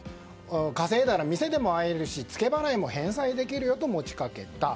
稼いだら店でも会えるしツケ払いも返済できるよと持ち掛けた。